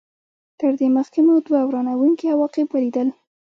تر دې مخکې مو دوه ورانوونکي عواقب ولیدل.